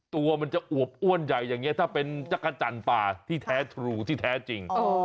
ตัวมันจะอวบอ้วนใหญ่อย่างนี้ถ้าเป็นจักรจันทร์ป่าที่แท้ทรูที่แท้จริง